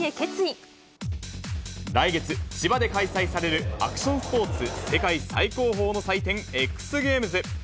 来月、千葉で開催されるアクションスポーツ世界最高峰の祭典、ＸＧａｍｅｓ。